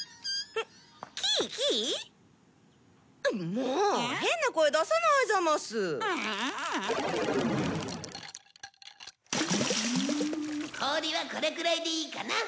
もう変な声出さないザマス。氷はこれくらいでいいかな。